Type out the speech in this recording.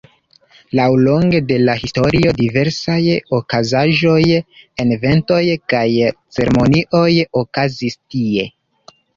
Laŭlonge de la historio diversaj okazaĵoj, eventoj kaj ceremonioj okazis tie.